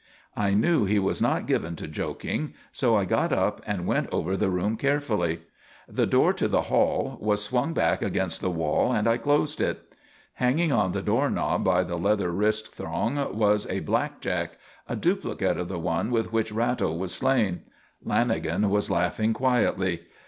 I knew he was not given to joking, so I got up and went over the room carefully. The door to the hall was swung back against the wall and I closed it. Hanging on the door knob by the leather wrist thong was a blackjack, a duplicate of the one with which Ratto was slain. Lanagan was laughing quietly.